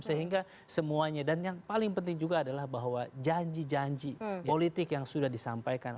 sehingga semuanya dan yang paling penting juga adalah bahwa janji janji politik yang sudah disampaikan